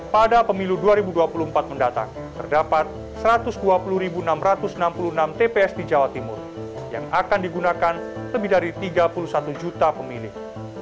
pada pemilu dua ribu dua puluh empat mendatang terdapat satu ratus dua puluh enam ratus enam puluh enam tps di jawa timur yang akan digunakan lebih dari tiga puluh satu juta pemilih